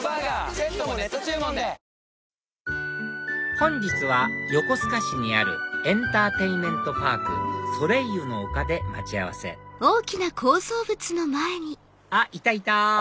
本日は横須賀市にあるエンターテインメントパークソレイユの丘で待ち合わせあっいたいた！